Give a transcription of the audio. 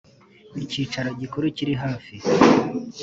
icyicaro gikuru kiri hafi